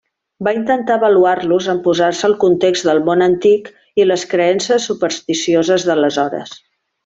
Va intentar avaluar-los en posar-se al context del món antic i les creences supersticioses d'aleshores.